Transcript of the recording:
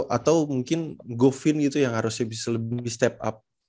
atau mungkin govin gitu yang harusnya bisa lebih step up